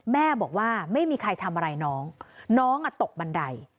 แม่บอกว่าไม่มีใครทำอะไรน้องน้องอ่ะตกบันได